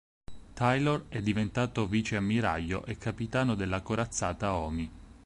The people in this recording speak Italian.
Tylor è diventato viceammiraglio e capitano della corazzata "Omi".